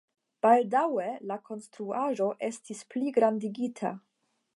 Baldaŭe la konstruaĵo estis pligrandigita.